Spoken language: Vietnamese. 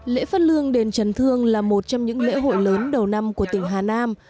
lễ phát lương đền trần thương là một trong những lễ hội lớn đầu năm của tỉnh hà nam